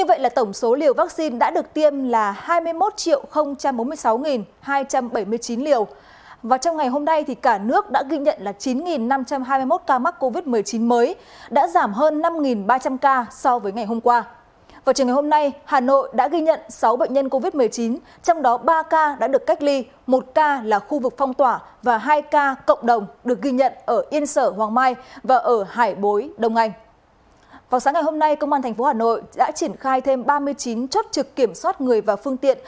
vào sáng ngày hôm nay công an tp hà nội đã triển khai thêm ba mươi chín chốt trực kiểm soát người và phương tiện